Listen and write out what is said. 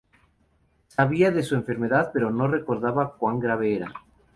Sabía de su enfermedad, pero no recordaba cuán grave era.